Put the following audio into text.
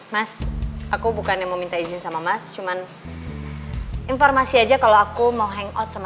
mas aku bukan yang mau minta izin sama mas cuman informasi aja kalau aku mau hangout sama